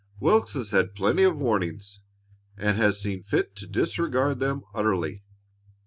"Wilks has had plenty of warnings, and has seen fit to disregard them utterly.